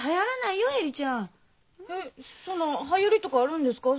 そんなはやりとかあるんですか？